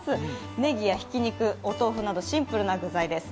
ねぎやひき肉、お豆腐などシンプルな具材です。